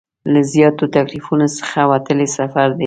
له زیاتو تکلیفونو څخه وتلی سفر دی.